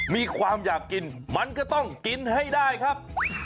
มีความอยากกินมันก็ต้องกินให้ได้ครับ